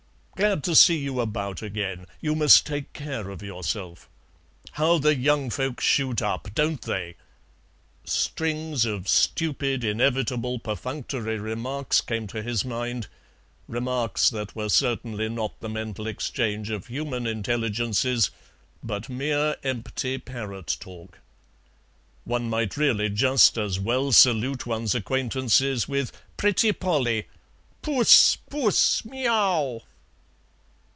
"Glad to see you about again; you must take care of yourself." "How the young folk shoot up, don't they?" Strings of stupid, inevitable perfunctory remarks came to his mind, remarks that were certainly not the mental exchange of human intelligences, but mere empty parrot talk. One might really just as well salute one's acquaintances with "Pretty polly. Puss, puss, miaow!"